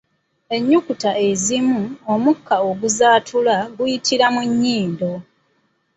Ennukuta ezimu omukka oguzaatula guyitira mu nnyindo.